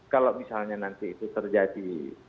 kalau misalnya nanti itu terjadi